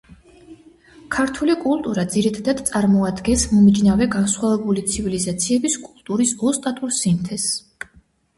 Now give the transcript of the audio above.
ქართული კულტურა ძირითადად წარმოადგენს მომიჯნავე განსხვავებული ცივილიზაციების კულტურის ოსტატურ სინთეზს.